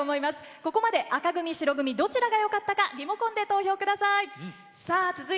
ここまで紅組・白組のどちらがよかったかリモコンで投票してください。